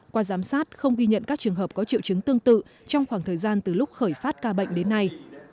qua giám sát không ghi nhận các trường hợp có triệu chứng tương tự trong khoảng thời gian từ lúc khởi phát ca bệnh đến nay